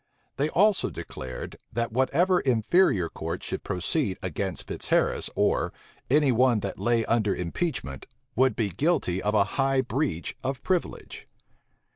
They also declared, that whatever inferior court should proceed against Fitzharris, or any one that lay under impeachment, would be guilty of a high breach of privilege.